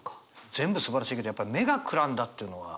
全部すばらしいけどやっぱり「目が眩んだ」っていうのが。